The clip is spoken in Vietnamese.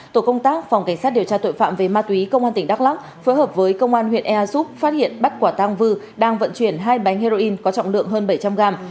tổ công tác phòng cảnh sát điều tra tội phạm về ma túy công an tỉnh đắk lắc phối hợp với công an huyện ea súp phát hiện bắt quả tăng vư đang vận chuyển hai bánh heroin có trọng lượng hơn bảy trăm linh gram